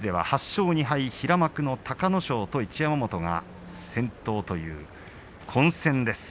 勝２敗平幕の隆の勝と一山本が先頭という混戦です。